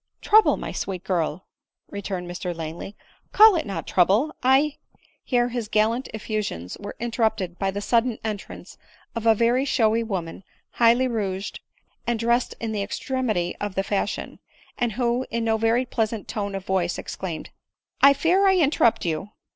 " Trouble ! my sweet girl !" returned Mr Langley, " call it not trouble ; I —" Here his gallant effusions were interrupted by the sudden entrance of a very showy woman, highly rouged* and dressed in the extremity of the fashion ; and who in no very pleasant tone of voice exclaimed —" 1 fear I interrupt you."